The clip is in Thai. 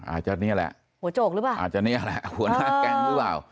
อาจจะนี่แหละหัวโจกหรือเปล่าอาจจะเนี่ยแหละหัวหน้าแก๊งหรือเปล่า